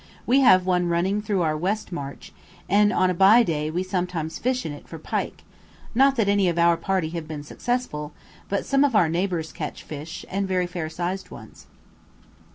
We have one running through our west marsh, and on a bye day we sometimes fish in it for pike; not that any of our party have been successful, but some of our neighbours catch fish, and very fair sized ones.